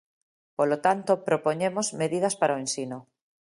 Polo tanto, propoñemos medidas para o ensino.